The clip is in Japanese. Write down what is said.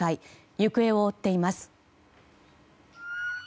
行方を追っています。